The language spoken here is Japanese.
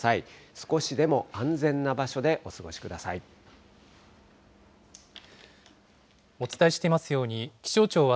少しでも安全な場所でお過ごしくお伝えしていますように、気象庁は